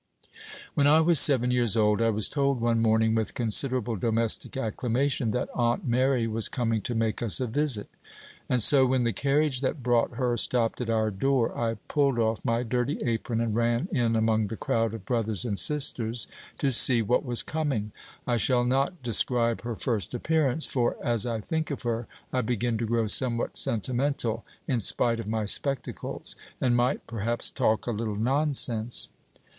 When I was seven years old, I was told one morning, with considerable domestic acclamation, that Aunt Mary was coming to make us a visit; and so, when the carriage that brought her stopped at our door, I pulled off my dirty apron, and ran in among the crowd of brothers and sisters to see what was coming. I shall not describe her first appearance, for, as I think of her, I begin to grow somewhat sentimental, in spite of my spectacles, and might, perhaps, talk a little nonsense.